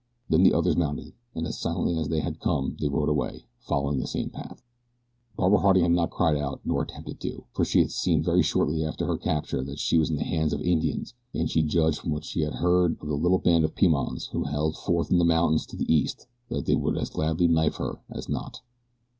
Then the others mounted and as silently as they had come they rode away, following the same path. Barbara Harding had not cried out nor attempted to, for she had seen very shortly after her capture that she was in the hands of Indians and she judged from what she had heard of the little band of Pimans who held forth in the mountains to the east that they would as gladly knife her as not.